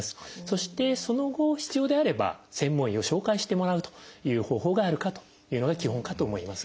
そしてその後必要であれば専門医を紹介してもらうという方法があるかというのが基本かと思います。